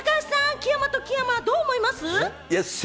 高橋さん、木山と木山、どう思います？